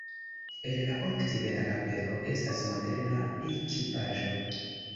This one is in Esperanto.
En la okcidenta kapelo estas moderna ekipaĵo.